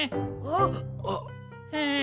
あっ？